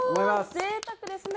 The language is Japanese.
ぜいたくですね。